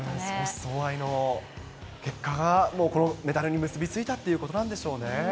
相思相愛の結果が、もうこのメダルに結び付いたということなんでしょうね。